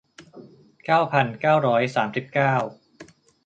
เก้าพันเก้าร้อยสามสิบเก้า